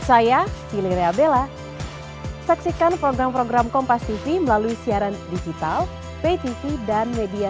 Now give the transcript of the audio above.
saya pilih rea bella saksikan program program kompas tv melalui siaran digital vtv dan media